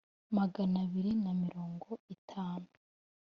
Magana abiri na mirongo itanu